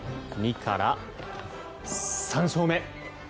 ２から３勝目！